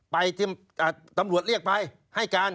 ตำรวจเรียกไปให้การ